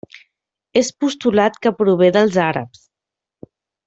És postulat que prové dels àrabs.